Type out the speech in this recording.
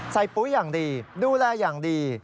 ปุ๋ยอย่างดีดูแลอย่างดี